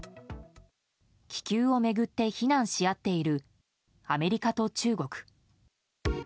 気球を巡って非難し合っているアメリカと中国。